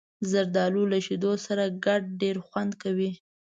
زردالو له شیدو سره ګډ ډېر خوند کوي.